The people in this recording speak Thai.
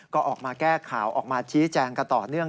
ก็ออกมาแก้ข่าวออกมาชี้แจงกันต่อเนื่อง